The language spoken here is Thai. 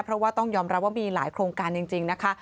เพราะว่าต้องยอมรับว่ามีหลายโครงการจริงนะคะ